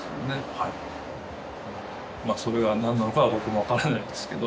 はいまぁそれが何なのかは僕も分からないですけど